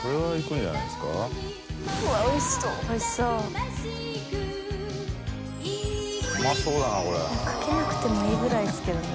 かけなくてもいいぐらいですけどね。